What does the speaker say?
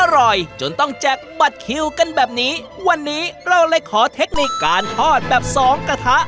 อร่อยจนต้องแจกบัตรคิวกันแบบนี้วันนี้เราเลยขอเทคนิคการทอดแบบสองกระทะ